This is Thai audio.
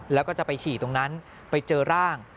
แล้วก็จะไปฉี่ตรงนั้นไปเจอร่าง